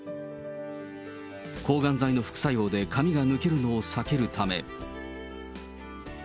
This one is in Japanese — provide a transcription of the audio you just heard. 抗がん剤の副作用で髪が抜けるのを避けるため。